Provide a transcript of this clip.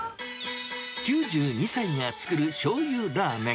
９２歳が作るしょうゆラーメン。